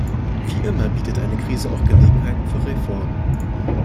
Wie immer bietet eine Krise auch Gelegenheiten für Reformen.